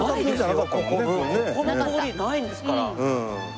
ここの通りないんですから。